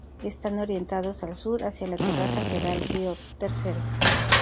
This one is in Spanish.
Están orientados al sur, hacia la terraza que da al río Ill.